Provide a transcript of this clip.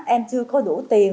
em chưa có đủ tiền